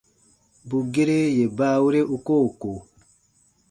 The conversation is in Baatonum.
Bù gere yè baawere u koo ko.